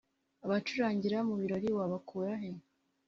abagucurangira mu birori wabakura he?